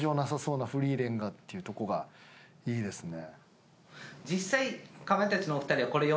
っていうとこがいいですね。